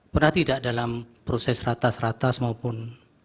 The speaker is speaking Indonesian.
pernah tidak dalam proses ratas ratas maupun